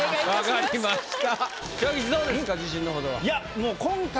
分かりました。